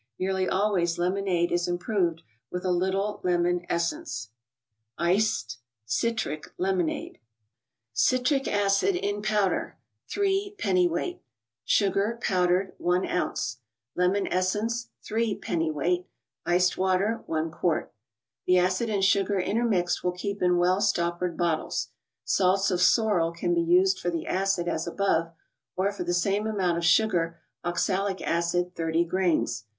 Nearly al ways lemonade is 'improved with a little lemon essence. 31cct> (Citric) Lemonade. Citric acid in powder, 3 dwt.; Sugar, powdered, 1 oz.; Lemon essence, 3 dwt.; Iced water, 1 qt. The acid and sugar intermixed will keep in well stop¬ pered bottles. Salts of sorrel can be used for the acid as above, or for the same amount of sugar, oxalic acid thirty grains.